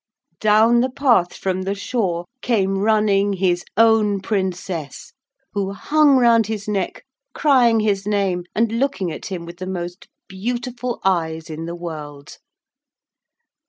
Down the path from the shore came running his own Princess, who hung round his neck crying his name and looking at him with the most beautiful eyes in the world.